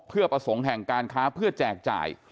เพื่อประสงค์แห่งการค้าเพื่อแจกจ่าย